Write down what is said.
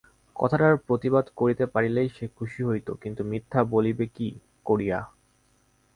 কথাটার প্রতিবাদ করিতে পারিলেই সে খুশি হইত, কিন্তু মিথ্যা বলিবে কী করিয়া?